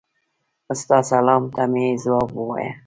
ستا سلام ته مي ځواب ووایه.